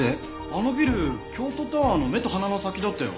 あのビル京都タワーの目と鼻の先だったよ。